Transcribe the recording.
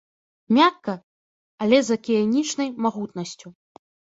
Мякка, але з акіянічнай магутнасцю.